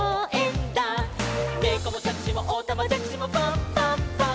「ねこもしゃくしもおたまじゃくしもパンパンパン！！」